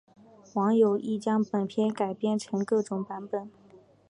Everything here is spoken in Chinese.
网友亦将本片改编成各种版本。